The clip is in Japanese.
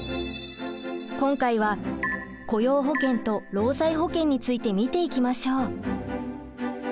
今回は雇用保険と労災保険について見ていきましょう。